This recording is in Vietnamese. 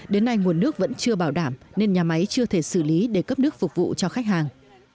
đến nay nguồn nước vẫn chưa bảo đảm nên nhà máy chưa thể xử lý để cấp nước phục vụ cho khách hàng